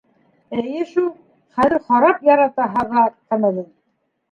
— Эйе шул, хәҙер харап ярата һаба ҡымыҙын.